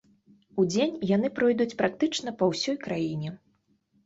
Удзень яны пройдуць практычна па ўсёй краіне.